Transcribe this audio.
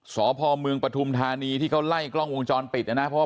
หายไปสพมปถุมทานีที่เขาไล่กล้องวงจอนปิดนะนะเพราะ